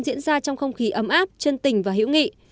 diễn ra trong không khí ấm áp chân tình và hữu nghị